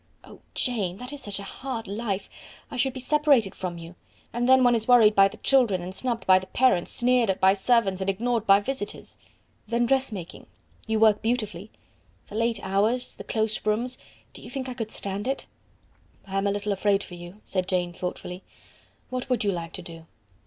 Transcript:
"Oh, Jane, that is such a hard life. I should be separated from you; and then one is worried by the children, and snubbed by the parents, sneered at by servants, and ignored by visitors." "Then dressmaking? You work beautifully." "The late hours, and the close rooms; do you think I could stand it?" "I am a little afraid for you," said Jane, thoughtfully. "What would you like to do?"